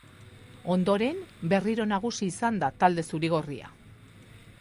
Ondoren, berriro nagusi izan da talde zuri-gorria.